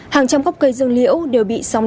hàng trăm góc cây dương liễu đều bị sóng